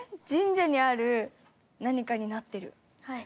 神社にある何かになってる？